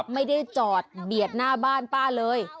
ไม่ได้จอดเบียดหน้าบ้านป้าเลย